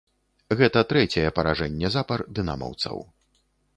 Гэта трэцяе паражэнне запар дынамаўцаў.